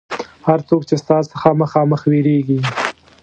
هر څوک چې ستا څخه مخامخ وېرېږي.